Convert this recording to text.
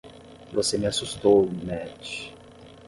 Você me assustou, Matty.